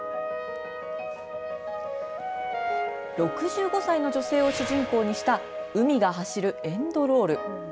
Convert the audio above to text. ６５歳の女性を主人公にした海が走るエンドロール。